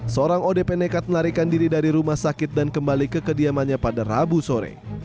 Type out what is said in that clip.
seorang odp nekat melarikan diri dari rumah sakit dan kembali ke kediamannya pada rabu sore